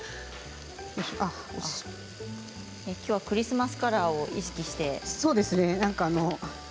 きょうはクリスマスカラーを意識して。